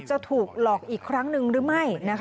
จะถูกหลอกอีกครั้งหนึ่งหรือไม่